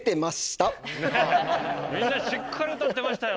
みんなしっかり歌ってましたよ